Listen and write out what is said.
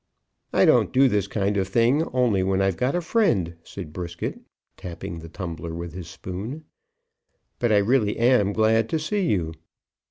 "I don't do this kind of thing, only when I've got a friend," said Brisket, tapping the tumbler with his spoon. "But I really am glad to see you.